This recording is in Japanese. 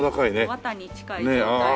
綿に近い状態の糸で。